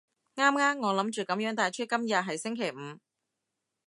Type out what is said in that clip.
啱啊，我諗住噉樣帶出今日係星期五